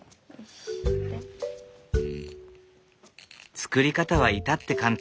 作り方は至って簡単。